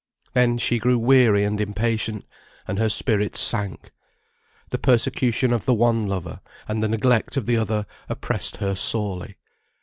Then she grew weary and impatient, and her spirits sank. The persecution of the one lover, and the neglect of the other, oppressed her sorely.